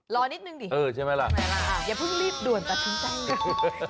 รอนิดนึงดิใช่ไหมล่ะอย่าเพิ่งรีบด่วนตัดถึงใจ